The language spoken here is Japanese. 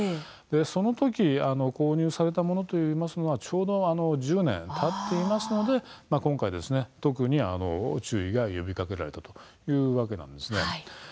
そのとき購入されたものといいますのは、ちょうど１０年たっていますので今回、特に注意が呼びかけられたというわけなんですね。